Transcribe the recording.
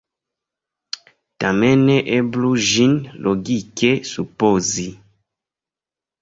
Tamen eblus ĝin logike supozi!